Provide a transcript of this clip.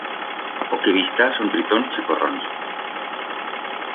O que bi'stá son tritons chicorrons.